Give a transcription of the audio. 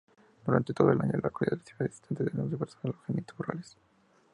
Durante todo el año, la localidad recibe visitantes en los diversos alojamientos rurales.